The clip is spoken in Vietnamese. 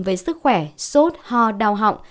về sức khỏe sốt ho đau họng